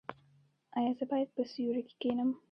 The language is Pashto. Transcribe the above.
ایا زه باید په سیوري کې کینم؟